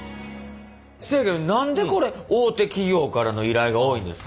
せやけど何でこれ大手企業からの依頼が多いんですか？